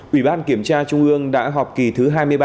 ủy ban kiểm tra trung ương đã họp kỳ thứ hai mươi ba